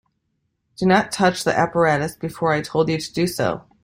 Do not touch the apparatus before I told you to do so.